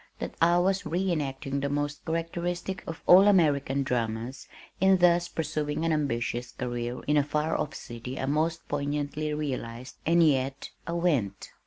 That I was re enacting the most characteristic of all American dramas in thus pursuing an ambitious career in a far off city I most poignantly realized and yet I went!